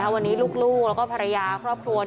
วันนี้ลูกแล้วก็ภรรยาครอบครัว